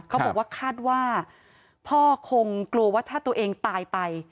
เขาบอกว่าคาดว่าพ่อคงกลัวว่าถ้าตัวเองตายไป